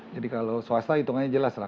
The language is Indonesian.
jadi kalau swasta hitungannya jelas lah